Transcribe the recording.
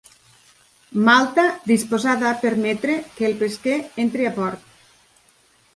Malta disposada a permetre que el pesquer entri a port